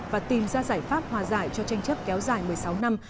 và tìm ra giải pháp hòa giải cho tranh chấp kéo dài một mươi sáu năm